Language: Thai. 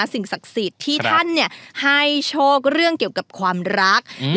สิ่งศักดิ์สิทธิ์ที่ท่านเนี่ยให้โชคเรื่องเกี่ยวกับความรัก